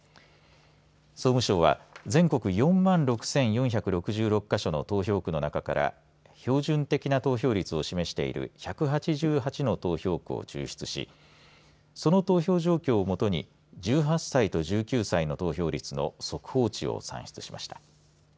総務省は全国４万６４６６か所の投票区の中から標準的な投票率を示している１８８の投票区を抽出しその投票状況をもとに１８歳と１９歳の投票率の速報値を算出しました。